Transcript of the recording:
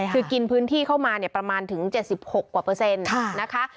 คือกินพื้นที่เข้ามาประมาณถึง๗๖กว่าเปอร์เซ็นต์นะคะ